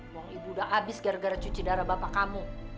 uang ibu udah habis gara gara cuci darah bapak kamu